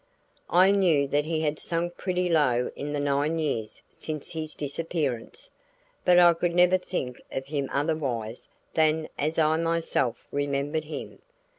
I knew that he had sunk pretty low in the nine years since his disappearance, but I could never think of him otherwise than as I myself remembered him.